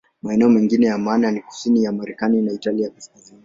Maeneo mengine ya maana ni kusini ya Marekani na Italia ya Kaskazini.